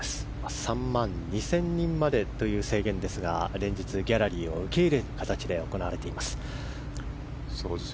３万２０００人までという制限ですが連日ギャラリーを受け入れる形で行われています。